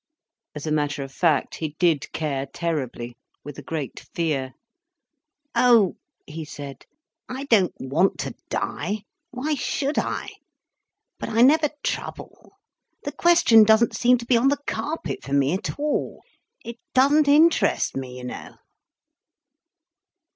As a matter of fact, he did care terribly, with a great fear. "Oh," he said, "I don't want to die, why should I? But I never trouble. The question doesn't seem to be on the carpet for me at all. It doesn't interest me, you know."